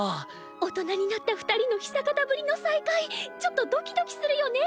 大人になった二人の久方ぶりの再会ちょっとドキドキするよね。